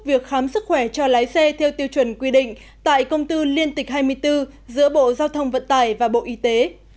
việc khám sức khỏe cho lái xe theo tiêu chuẩn quy định tại công tư liên tịch hai mươi bốn giữa bộ giao thông vận tải và bộ y tế